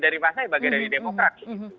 dari mas ahaye bagian dari demokrasi